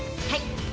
はい。